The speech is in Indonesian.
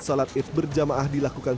sholat id berjamaah dilakukan